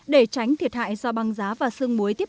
để tránh thiệt hại do băng giá và sương muối